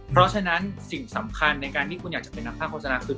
เพราะฉะนั้นสิ่งสำคัญในการที่คุณอยากจะเป็นนักภาคโฆษณาคือ